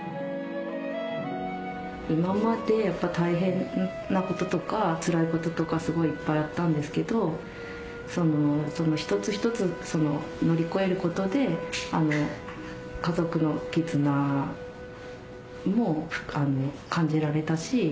今まで大変なこととかつらいこととかすごいいっぱいあったんですけど一つ一つ乗り越えることで家族の絆も感じられたし